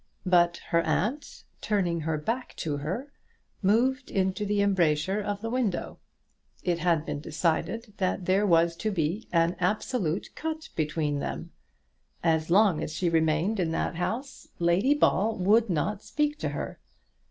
But her aunt, turning her back to her, moved into the embrasure of the window. It had been decided that there was to be an absolute cut between them! As long as she remained in that house Lady Ball would not speak to her.